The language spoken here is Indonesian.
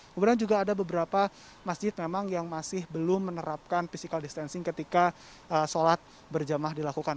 kemudian juga ada beberapa masjid memang yang masih belum menerapkan physical distancing ketika sholat berjamah dilakukan